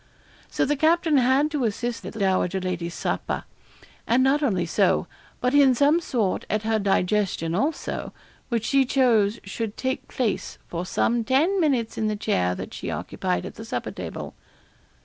So the captain had to assist at the dowager lady's supper; and not only so, but in some sort at her digestion also, which she chose should take place for some ten minutes in the chair that she occupied at the supper table.